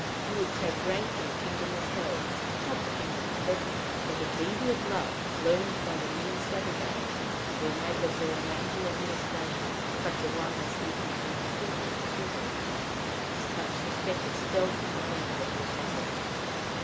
You would take rank in the kingdom of hell, not the kingdom of heaven. But obedient love, learned by the meanest Abigail, will make of her an angel of ministration, such a one as he who came to Peter in the prison, at whose touch the fetters fell from the limbs of the apostle.